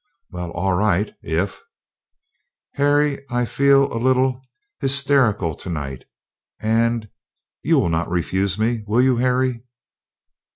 "Well, all right, if " "Harry, I feel a little hysterical, tonight, and you will not refuse me, will you, Harry?"